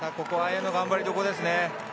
ここは綾乃頑張りどころですね。